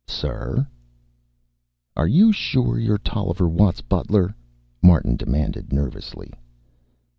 "Sir?" "Are you sure you're Tolliver Watt's butler?" Martin demanded nervously.